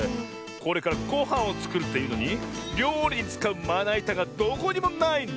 これからごはんをつくるっていうのにりょうりにつかうまないたがどこにもないんだ。